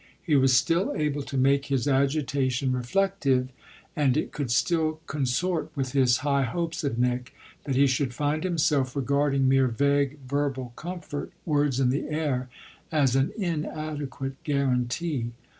He was still able to make his agitation reflective, and it could still consort with his high hopes of Nick that he should find himself regarding mere vague, verbal comfort, words in the air, as an inadequate guarantee.